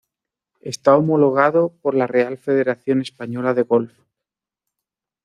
Está homologado por la Real Federación Española de Golf.